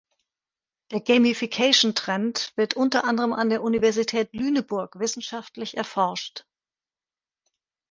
Der Gamification-Trend wird unter anderem an der Universität Lüneburg wissenschaftlich erforscht.